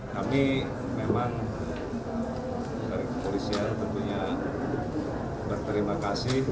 kami memang dari kepolisian tentunya berterima kasih